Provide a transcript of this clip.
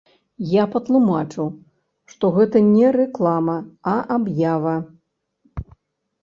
Я патлумачыў, што гэта не рэклама, а аб'ява.